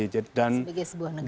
sebagai sebuah negara